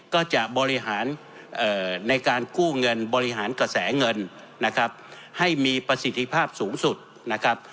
ก็จะบริหารในการกู้เงินบริหารกระแสเงินนะครับให้มีประสิทธิภาพสูงสุดนะครับ